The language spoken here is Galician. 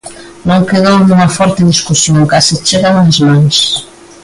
Non quedou nunha forte discusión, case chegan ás mans.